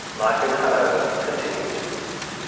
LIFE IN HANOVER—continued.